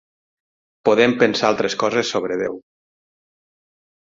Podem pensar altres coses sobre Déu.